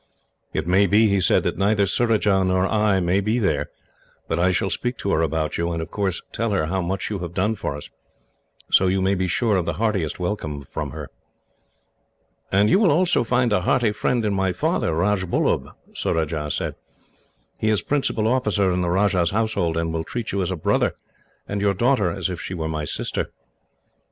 "It may be," he said, "that neither Surajah nor I may be there, but I shall speak to her about you, and of course tell her how much you have done for us; so you may be sure of the heartiest welcome from her." "And you will also find a hearty friend in my father, Rajbullub," Surajah said. "He is principal officer in the Rajah's household, and will treat you as a brother, and your daughter as if she were my sister."